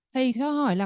thầy cho hỏi là